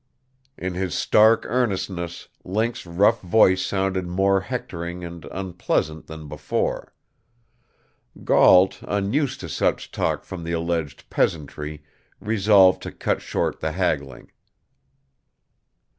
In his stark earnestness, Link's rough voice sounded more hectoring and unpleasant than before. Gault, unused to such talk from the alleged "peasantry," resolved to cut short the haggling.